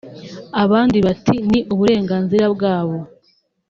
abandi bati “ni uburenganzira bwabo